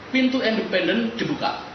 pintu independen dibuka